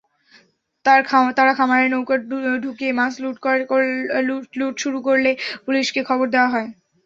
তারা খামারে নৌকা ঢুকিয়ে মাছ লুট শুরু করলে পুলিশকে খবর দেওয়া হয়।